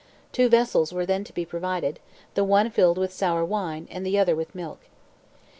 Two vessels were then to be provided, the one filled with sour wine, and the other with milk.